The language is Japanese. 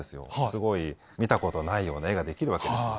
すごい見たことないような絵が出来るわけです。